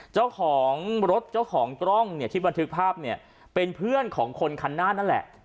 เจ้าของรถเจ้าของกล้องเนี่ยที่บันทึกภาพเนี่ยเป็นเพื่อนของคนคันหน้านั่นแหละ